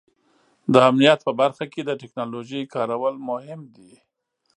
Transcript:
د امنیت په برخه کې د ټیکنالوژۍ کارول مهم دي.